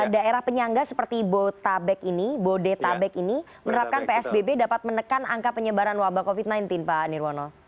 daerah penyangga seperti botabek ini bodetabek ini menerapkan psbb dapat menekan angka penyebaran wabah covid sembilan belas pak nirwono